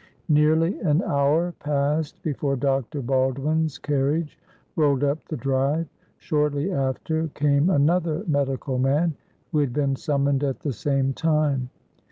Nearly an hour passed before Dr. Baldwin's carriage rolled up the drive. Shortly after came another medical man, who had been summoned at the same time.